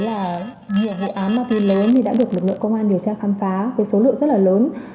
nhiều hội án ma túy lớn đã được lực lượng công an điều tra khám phá với số lượng rất là lớn